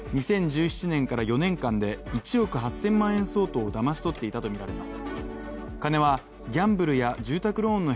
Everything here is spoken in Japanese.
２０１１年から４年間で１億８０００万円相当をだまし取っていたとみられます。